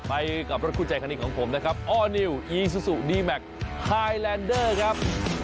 ไปกับรถคู่ใจคันนี้ของผมนะครับออร์นิวอีซูซูดีแมคไฮแลนเดอร์ครับ